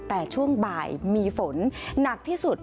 แต่ช่วงบ่ายมีฝนหนักที่สุด